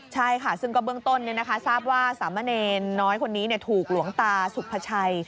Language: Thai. ใช่ค่ะซึ่งก็เบื้องต้นทราบว่าสามเณรน้อยคนนี้ถูกหลวงตาสุภาชัย